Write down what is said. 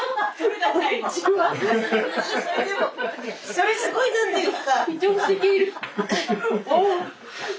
それすごい何ていうか。